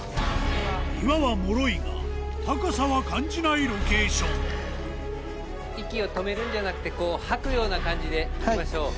岩はもろいが、高さは感じな息を止めるんじゃなくて、こう、吐くような感じで行きましょう。